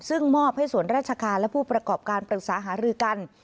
ซึ่งมอบให้ส่วนราชการและผู้ประกอบการปรึกษาหารือกัน